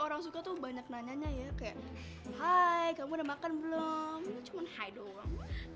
orang suka tuh banyak nanya nya ya kayak hai kamu udah makan belum cuman hai doang